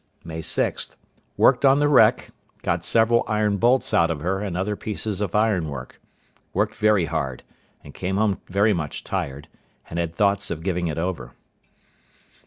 May 6.—Worked on the wreck; got several iron bolts out of her and other pieces of ironwork. Worked very hard, and came home very much tired, and had thoughts of giving it over.